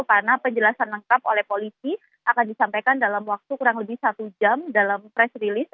karena penjelasan lengkap oleh polisi akan disampaikan dalam waktu kurang lebih satu jam dalam press release